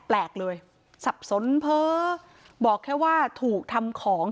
แปลกเลยสับสนเพ้อบอกแค่ว่าถูกทำของ